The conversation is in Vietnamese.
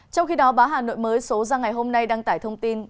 trong khi đó báo hà nội mới số ra ngày hôm nay đăng tải thông tin